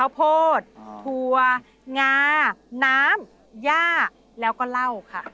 โพดถั่วงาน้ำย่าแล้วก็เหล้าค่ะ